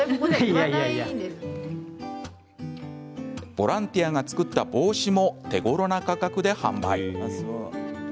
ボランティアが作った帽子も手ごろな価格で販売。